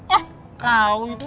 eh kau itu